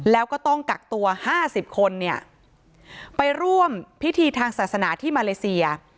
แล้วก็ต้องกักตัว๕๐คนเนี่ยไปร่วมพิธีทางศาสนาที่มาเลเซีย